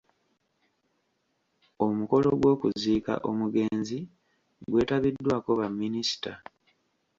Omukolo gw’okuziika omugenzi gwetabiddwako baminista.